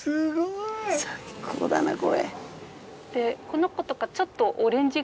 この子とかちょっと。